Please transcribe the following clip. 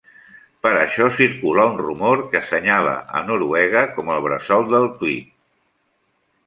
Per això circula un rumor que assenyala a Noruega com el bressol del clip.